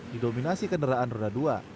didominasi kenderaan roda dua